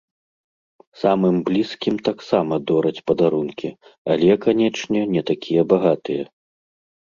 Самым блізкім таксама дораць падарункі, але, канечне, не такія багатыя.